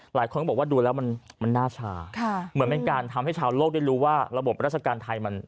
หลายคนก็บอกว่าดูแล้วมันน่าชาเหมือนเป็นการทำให้ชาวโลกได้รู้ว่าระบบราชการไทยมัน